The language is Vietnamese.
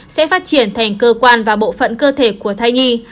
sẽ phát triển thành cơ quan và bộ phận cơ thể của thai nhi